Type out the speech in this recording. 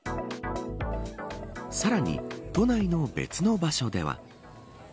さらに都内の別の場所では。